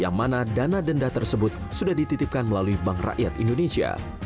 yang mana dana denda tersebut sudah dititipkan melalui bank rakyat indonesia